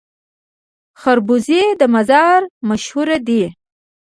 خربوزې د مزار مشهورې دي